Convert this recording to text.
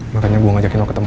makanya gue ngajakin mau ketemu